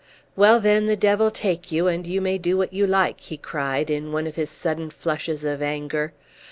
"Well, then, the devil take you, and you may do what you like!" he cried, in one of his sudden flushes of anger.